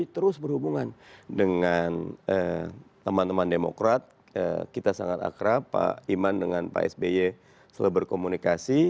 terus berhubungan dengan teman teman demokrat kita sangat akrab pak iman dengan pak sby selalu berkomunikasi